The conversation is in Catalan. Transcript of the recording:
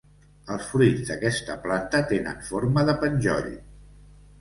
Els fruits d'aquesta planta tenen forma de penjoll.